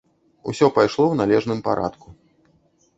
Усё пайшло ў належным парадку.